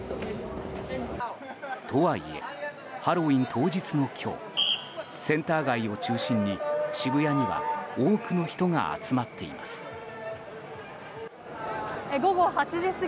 とはいえハロウィーン当日の今日センター街を中心に、渋谷には多くの人が集まっています。